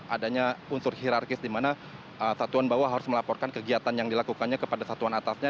adanya unsur hirarkis di mana satuan bawah harus melaporkan kegiatan yang dilakukannya kepada satuan atasnya